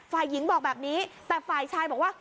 ฝ่ายหญิงบอกแบบนี้แต่ฝ่ายชายบอกว่า